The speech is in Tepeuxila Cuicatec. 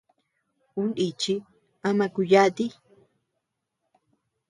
Ú nichi ama kú yati.